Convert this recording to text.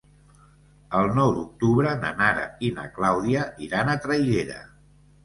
El nou d'octubre na Nara i na Clàudia iran a Traiguera.